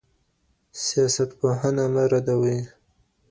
سیاستپوهنه مه ردوئ.